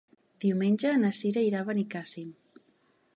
Diumenge na Sira irà a Benicàssim.